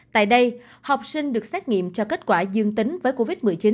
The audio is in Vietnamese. tại đây học sinh được xét nghiệm cho kết quả dương tính với covid một mươi chín